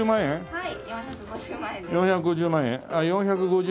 はい。